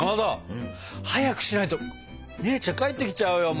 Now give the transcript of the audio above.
うん？早くしないと姉ちゃん帰ってきちゃうよ。